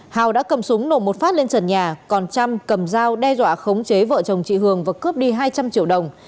hào đã cầm súng nổ một phát lên trần nhà còn trăm cầm dao đe dọa khống chế vợ chồng chị hường và cướp đi hai trăm linh triệu đồng